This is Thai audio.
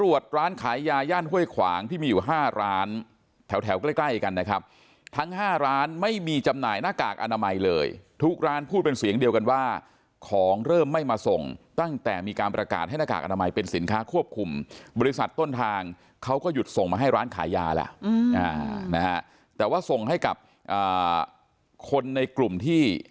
โอ้โหคุณบอกว่ามีราคาขายถูกให้แต่ว่าต้องมาซื้อที่ส่วนกลางอย่างนี้